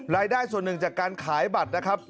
รายได้ส่วนหนึ่งจากการขายบัตรนะครับ